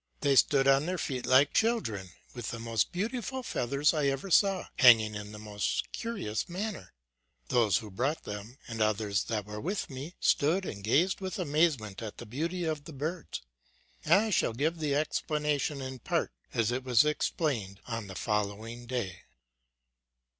They stood on their feet like children, with the most beautiful fea thers I ever saw, hanging in the most curious man ner. Those who brought them, and others that were with me, stood and gazed with amazement at the beauty of the birds. I shall give the explanation ;n part, as it was explained on the following day.